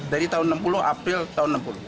dari tahun enam puluh april tahun enam puluh